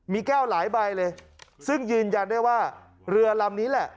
มีแก้วหลายใบเลยซึ่งยืนยันได้ว่าเรือลำนี้แหละ